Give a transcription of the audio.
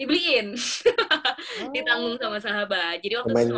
dibeliin ditanggung sama sahabat jadi waktu itu